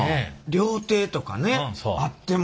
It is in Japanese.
料亭とかねあっても。